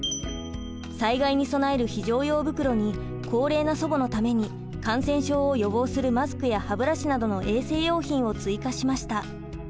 災害に備える非常用袋に高齢な祖母のために感染症を予防するマスクや歯ブラシなどの衛生用品を追加しました。